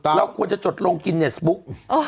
แล้วควรจะจดลงกินน์เน็ตส์บุ๊ค